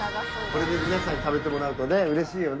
皆さん食べてもらうとうれしいよね。